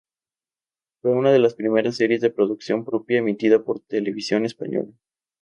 Fue una de las primeras series de producción propia emitida por Televisión española.